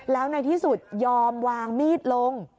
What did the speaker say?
แล้วในที่สุดยอมวางมีดลง